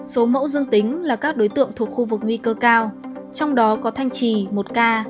số mẫu dương tính là các đối tượng thuộc khu vực nguy cơ cao trong đó có thanh trì